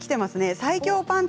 最強パンツ